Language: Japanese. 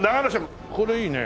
これいいね。